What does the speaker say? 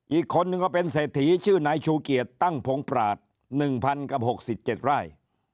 อีกคนนึงก็เป็นเศรษฐีชื่อนายชูเกียจตั้งพงปราศ๑๐๐กับ๖๗ไร่